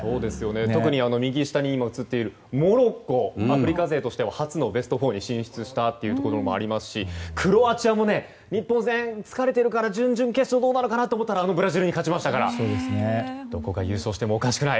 特にモロッコアフリカ勢として初のベスト４に進出したというところもありますしクロアチアも日本戦で疲れているから準々決勝どうなのかなと思ったらブラジルに勝ちましたからどこが優勝してもおかしくない。